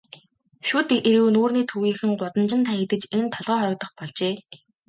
Шүд эрүү нүүрний төвийнхөн гудамжинд хаягдаж, энд толгой хоргодох болжээ.